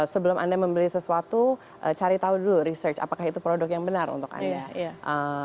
sebelum anda membeli sesuatu cari tahu dulu research apakah itu produk yang benar untuk anda